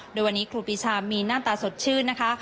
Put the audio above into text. โดยวันนี้ครูปีชามีหน้าตาสดชื่นนะคะ